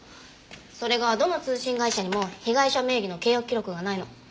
それがどの通信会社にも被害者名義の契約記録がないの。